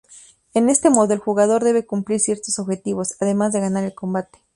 En este modo, el jugador debe cumplir ciertos objetivos, además de ganar el combate.